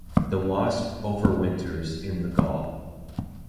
The wasp overwinters in the gall.